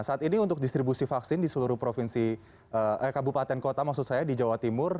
saat ini untuk distribusi vaksin di seluruh provinsi kabupaten kota maksud saya di jawa timur